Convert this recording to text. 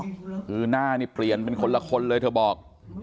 คือหน้านี่เปลี่ยนเป็นคนละคนเลยเธอบอก